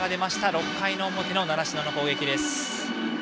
６回の表の習志野の攻撃です。